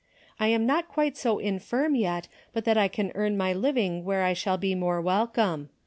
I am not quite so infirm yet but that I can earn my living where I shall be more welcome.